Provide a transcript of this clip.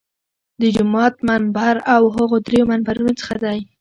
د جومات منبر له هغو درېیو منبرونو څخه دی.